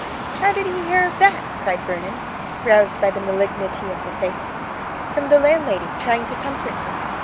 "How did he hear of that?" cried Vernon, roused by the malignity of the Fates. "From the landlady, trying to comfort him.